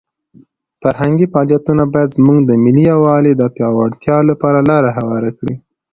فرهنګي فعالیتونه باید زموږ د ملي یووالي د پیاوړتیا لپاره لاره هواره کړي.